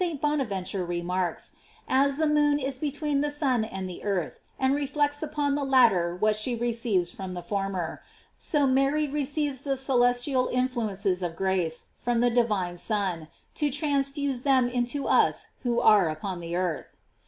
cause, as St. Bonaventure remarks, as the moon is between the sun and the earth, and reflects upon the latter what she receives from the former, so Mary receives the celestial influences of grace from the divine Son, to transfuse them into us who are upon the earth.